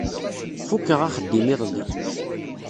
Fukkeɣ axeddim iḍelli.